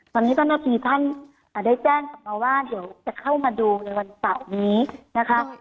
ตอนนี้เจ้าหน้าที่ท่านได้แจ้งกลับมาว่าเดี๋ยวจะเข้ามาดูในวันเสาร์นี้นะคะ